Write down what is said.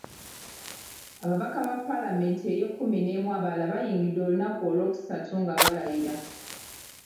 Ababaka ba Paalamenti y’ekkumi n'emu abalala bayingidde olunaku olwokusatu nga balayira.